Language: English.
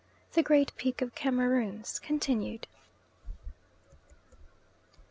THE GREAT PEAK OF CAMEROONS (continued).